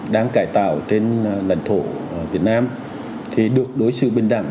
đang cải tạo trên lãnh thổ việt nam thì được đối xử bình đẳng